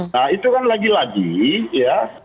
nah itu kan lagi lagi ya